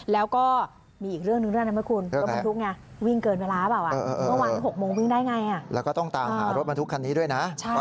แล้วก็มีอีกเรื่องหนึ่งนะครับพระคุณ